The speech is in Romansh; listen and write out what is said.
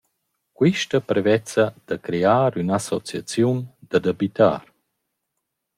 Quista prevezza da crear ün’associaziun dad abitar.